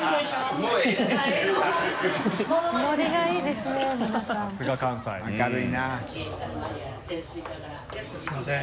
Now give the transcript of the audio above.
すいません